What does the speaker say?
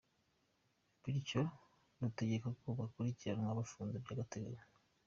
Bityo rutegeka ko bakurikiranwa bafunze by’agataganyo.